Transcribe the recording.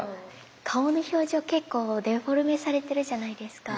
顔の表情結構デフォルメされてるじゃないですか。